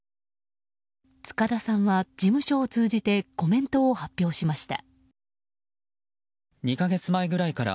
塚田さんは事務所を通じてコメントを発表しました。